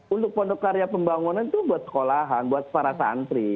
untuk pondok karya pembangunan itu buat sekolahan buat para santri